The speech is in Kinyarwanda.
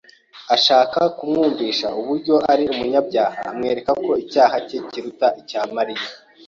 ashaka kumwumvisha uburyo ari umunyabyaha amwereka ko icyaha cye kiruta icya Mariya;